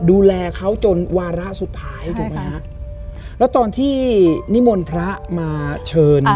ดูแลเขาจนวาระสุดท้ายถูกไหมฮะแล้วตอนที่นิมนต์พระมาเชิญ